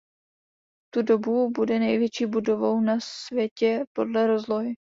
V tu dobu bude největší budovou na světě podle rozlohy.